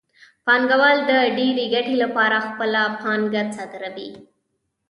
پانګوال د ډېرې ګټې لپاره خپله پانګه صادروي